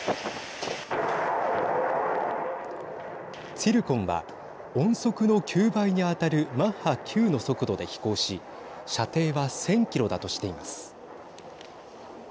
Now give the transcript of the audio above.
ツィルコンは音速の９倍に当たるマッハ９の速度で飛行し射程は１０００キロだとしています。